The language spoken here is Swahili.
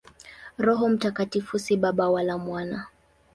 Roho Mtakatifu si Baba wala Mwana.